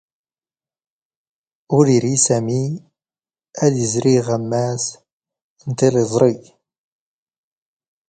ⵓⵔ ⵉⵔⵉ ⵙⴰⵎⵉ ⴰⴷ ⵉⵣⵔⵉ ⵖ ⴰⵎⵎⴰⵙ ⵏ ⵜⵉⵍⵉⵥⵕⵉ.